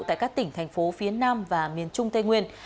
tại các tỉnh thành phố phía nam và miền trung tây nguyên